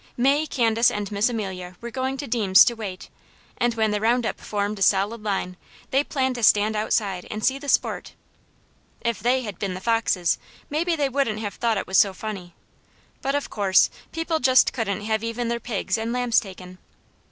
May, Candace, and Miss Amelia were going to Deams' to wait, and when the round up formed a solid line, they planned to stand outside, and see the sport. If they had been the foxes, maybe they wouldn't have thought it was so funny; but of course, people just couldn't have even their pigs and lambs taken.